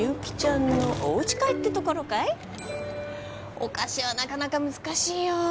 お菓子はなかなか難しいよ